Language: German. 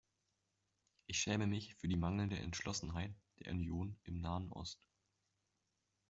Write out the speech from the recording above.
Ich schäme mich für die mangelnde Entschlossenheit der Union im Nahen Ost.